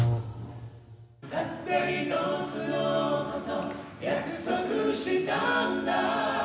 「たった一つのこと約束したんだ」